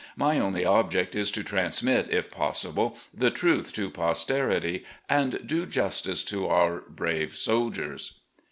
My only object is to transmit, if possible, the truth to posterity, and do justice to otir brave soldiers."